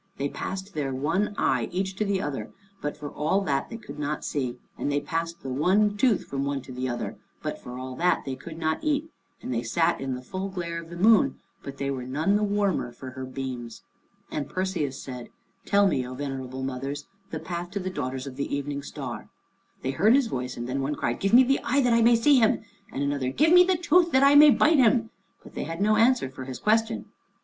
They passed their one eye each to the other, but for all that they could not see, and they passed the one tooth from one to the other, but for all that they could not eat, and they sat in the full glare of the moon, but they were none the warmer for her beams. And Perseus said, "Tell me, O Venerable Mothers, the path to the daughters of the Evening Star." They heard his voice, and then one cried, "Give me the eye that I may see him," and another, "Give me the tooth that I may bite him," but they had no answer for his question.